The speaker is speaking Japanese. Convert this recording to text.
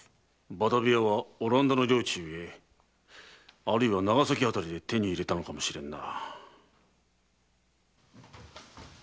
バダビヤはオランダの領地ゆえあるいは長崎あたりで手に入れたのかもしれんな。